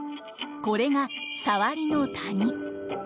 これがサワリの谷。